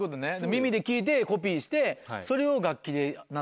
耳で聴いてコピーしてそれを楽器で鳴らしていく。